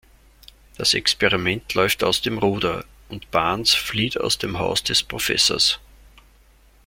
Das Experiment läuft aus dem Ruder, und Barnes flieht aus dem Haus des Professors.